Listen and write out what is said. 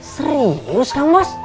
serius kang bos